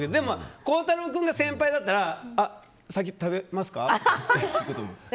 孝太郎君が先輩だったら先、食べますか？って。